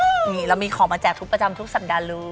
นี่เรามีของมาแจกทุกประจำทุกสัปดาห์เลย